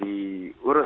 tidak perlu di